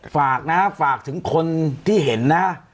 ฝากนะฝากถึงคนที่เห็นนะ